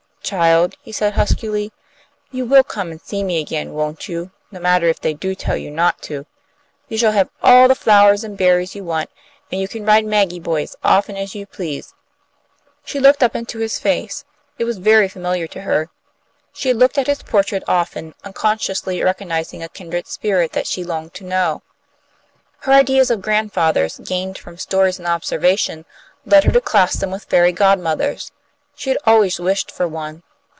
"Child," he said, huskily, "you will come and see me again, won't you, no matter if they do tell you not to? You shall have all the flowers and berries you want, and you can ride Maggie Boy as often as you please." She looked up into his face. It was very familiar to her. She had looked at his portrait often, unconsciously recognizing a kindred spirit that she longed to know. Her ideas of grandfathers, gained from stories and observation, led her to class them with fairy godmothers. She had always wished for one.